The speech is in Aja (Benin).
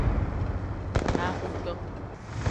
Haxoto.